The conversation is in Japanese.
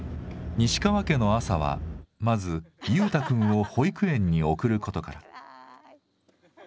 西川家の朝はまずユウタ君を保育園に送ることから。